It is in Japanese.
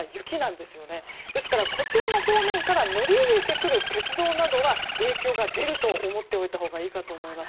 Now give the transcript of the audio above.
ですから、こちらの方面から乗り入れてくる鉄道などは影響が出ると思っておいたほうがいいと思います。